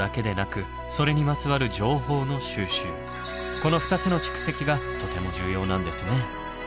この２つの蓄積がとても重要なんですね。